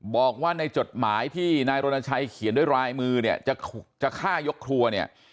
บอกว่าในจดหมายที่นายรณชัยเขียนด้วยลายมือเนี่ยจะฆ่ายกครัวเนี่ย